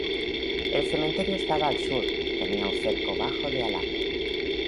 El cementerio estaba al sur, tenía un cerco bajo de alambre.